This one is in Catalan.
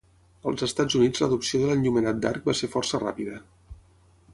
Als Estats Units l'adopció de l'enllumenat d'arc va ser força ràpida.